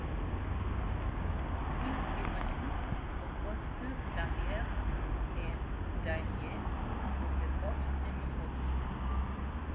Il évolue aux postes d'arrière et d'ailier pour les Bucks de Milwaukee.